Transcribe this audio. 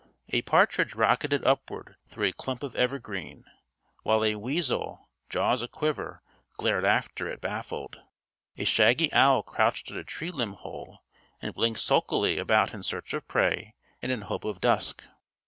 A partridge rocketed upward through a clump of evergreen, while a weasel, jaws a quiver, glared after it, baffled. A shaggy owl crouched at a tree limb hole and blinked sulkily about in search of prey and in hope of dusk.